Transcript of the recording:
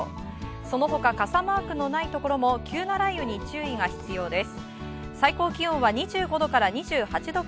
その他、傘マークのないところも急な雷雨に注意が必要です。